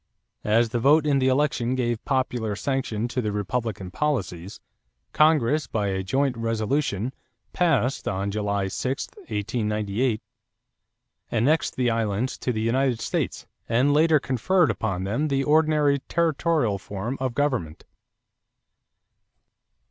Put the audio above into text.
As the vote in the election gave popular sanction to Republican policies, Congress by a joint resolution, passed on July 6, 1898, annexed the islands to the United States and later conferred upon them the ordinary territorial form of government.